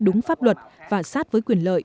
đúng pháp luật và sát với quyền lợi